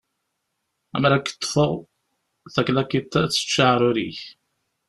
Amer ad k-ṭṭfeɣ, taklakiḍt ad d-tečč aεrur-ik!